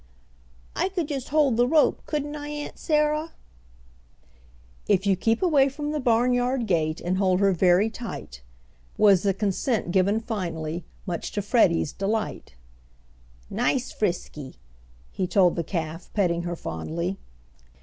"I could just hold the rope, couldn't I, Aunt Sarah?" "If you keep away from the barnyard gate, and hold her very tight," was the consent given finally, much to Freddie's delight. "Nice Frisky," he told the calf, petting her fondly.